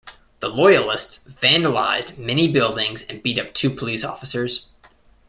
The loyalists vandalised many buildings and beat up two police officers.